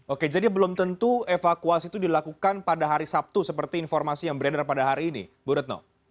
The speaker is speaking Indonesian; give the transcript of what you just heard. oke jadi belum tentu evakuasi itu dilakukan pada hari sabtu seperti informasi yang beredar pada hari ini bu retno